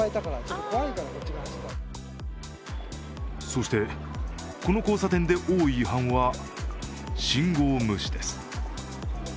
そして、この交差点で多い違反は信号無視です。